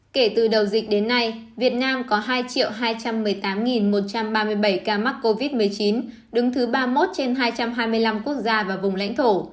kể từ đầu dịch đến nay việt nam có hai hai trăm một mươi tám một trăm ba mươi bảy ca mắc covid một mươi chín đứng thứ ba mươi một trên hai trăm hai mươi năm quốc gia và vùng lãnh thổ